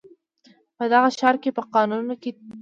په دغه ښار کې په ناقانونه توګه